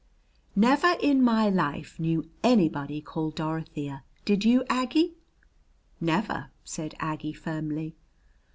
"Never in my life knew anybody named Dorothea. Did you, Aggie?" "Never," said Aggie firmly.